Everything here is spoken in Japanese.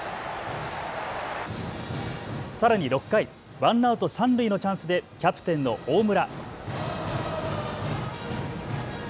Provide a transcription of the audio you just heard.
さらに６回、ワンアウト三塁のチャンスでキャプテンの大村。